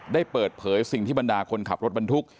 ได้เปิดเผยสิ่งที่บรรดาคนขับรถบรรทุก